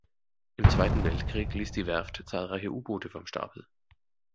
Im Zweiten Weltkrieg ließ die Werft zahlreiche U-Boote vom Stapel.